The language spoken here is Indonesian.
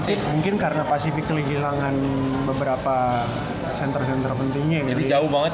sih mungkin karena passing moi berapa center center pentingnya itu jauh banget